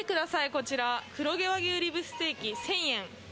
こちら、黒毛和牛リブステーキ、１０００円。